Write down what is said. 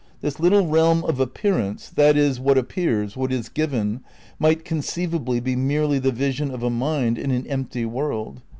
... This little realm of Appearance (i. e. what appears, what is 'given') might conceivably be merely the vision of a mind in an empty world.